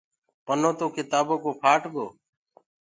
پنو تو ڪِتآبو ڪو ڦآٽ گو۔